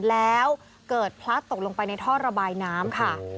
แล้วเกิดพลัดตกลงไปในท่อระบายน้ำค่ะ